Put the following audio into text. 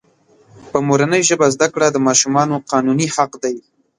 په مورنۍ ژبه زده کړه دماشومانو قانوني حق دی.